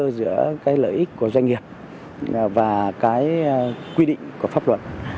phù hợp giữa cái lợi ích của doanh nghiệp và cái quy định của pháp luật